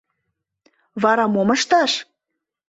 Вара мом ышташ?